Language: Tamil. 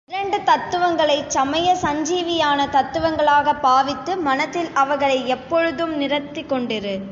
இரண்டு தத்துவங்களைச் சமய சஞ்சீவியான தத்துவங்களாகப் பாவித்து மனத்தில் அவைகளை எப்பொழுதும் நிறுத்திக் கொண்டிரு.